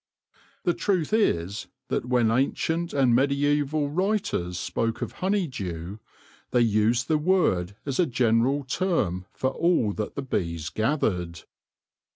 The truth is that when ancient and mediaeval writers spoke of honey dew, they used the word as a general term for all that the bees gathered.